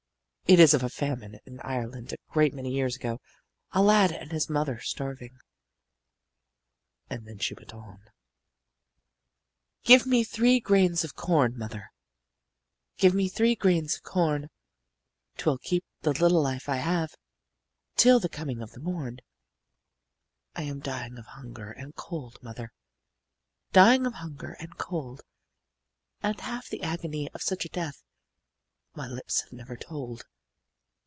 It is of a famine in Ireland a great many years ago a lad and his mother starving." And then she went on: "'Give me three grains of corn, mother, Give me three grains of corn, 'Twill keep the little life I have Till the coming of the morn. I am dying of hunger and cold, mother, Dying of hunger and cold, And half the agony of such a death My lips have never told.